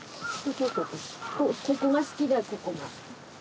ここが好きだここが。